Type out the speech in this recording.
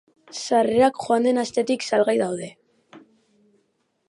Sarrerak joan den astetik salgai daude.